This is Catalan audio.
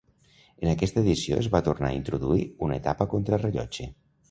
En aquesta edició es va tornar a introduir una etapa contrarellotge.